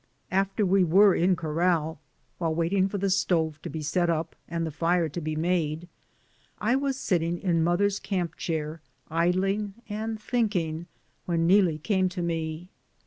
After we were in corral, while waiting for the stove to be set up and the fire to be made, 170 DAYS ON THE ROAD. I was sitting in mother's camp chair idling and thinking, when NeeHe came to me.